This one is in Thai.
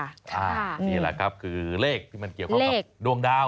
นี่แหละครับคือเลขที่มันเกี่ยวข้องกับดวงดาว